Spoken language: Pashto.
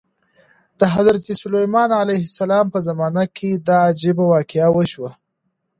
د حضرت سلیمان علیه السلام په زمانه کې دا عجیبه واقعه وشوه.